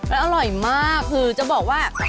แล้วอร่อยมากคือจะบอกว่า